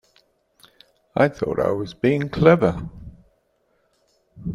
I thought I was being clever.